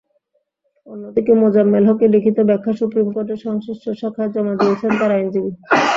অন্যদিকে মোজাম্মেল হকের লিখিত ব্যাখ্যা সুপ্রিম কোর্টের সংশ্লিষ্ট শাখায় জমা দিয়েছেন তাঁর আইনজীবী।